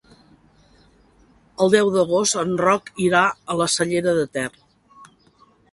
El deu d'agost en Roc irà a la Cellera de Ter.